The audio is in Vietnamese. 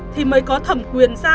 thì mới có thẩm quyền ra